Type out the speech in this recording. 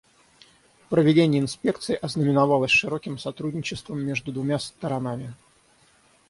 Проведение инспекции ознаменовалось широким сотрудничеством между двумя сторонами.